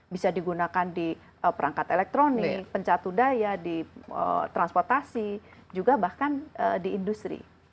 bisa digunakan di perangkat elektronik pencatu daya di transportasi juga bahkan di industri